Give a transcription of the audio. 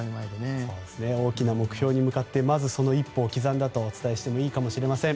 大きな目標に向かってその一歩を刻んだとお伝えしていいかもしれません。